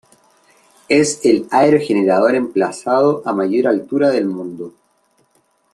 Es el aerogenerador emplazado a mayor altura del mundo.